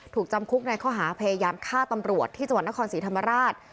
ถูกจำคุกในข้อหาพยายามฆ่าตำรวจที่จังหวัดนครศรีธรรมราช